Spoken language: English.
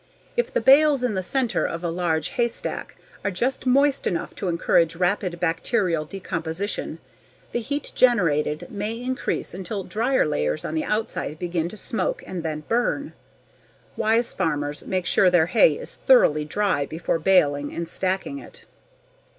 If the bales in the center of a large hay stack are just moist enough to encourage rapid bacterial decomposition, the heat generated may increase until dryer bales on the outside begin to smoke and then burn. Wise farmers make sure their hay is thoroughly dry before baling and stacking it.